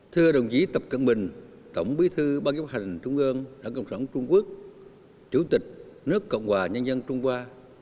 thưa đồng chí tập cận bình tổng bí thư ban giám hành trung ương đảng cộng sản trung quốc chủ tịch nước cộng hòa nhân dân trung hoa